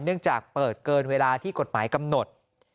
เนื่องจากเปิดเกินเวลาที่กฎหมายกำหนด